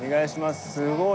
すごい。